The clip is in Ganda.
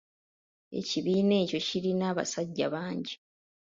Ekibiina ekyo kirina abasajja bangi.